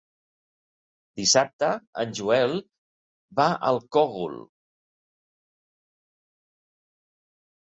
Dissabte en Joel va al Cogul.